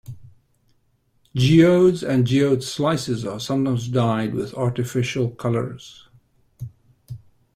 Geodes and geode slices are sometimes dyed with artificial colors.